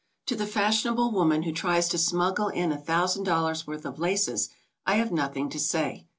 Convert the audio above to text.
To the fashionable woman who tries to smuggle in a thousand dollars worth of laces, I have nothing to say.